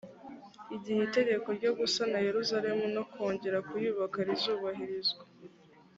igihe itegeko ryo gusana yerusalemu no kongera kuyubaka rizubahirizwa